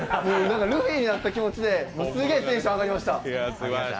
ルフィになった気持ちで、すげぇテンション上がりました。